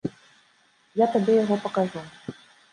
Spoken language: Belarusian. Я табе яго пакажу.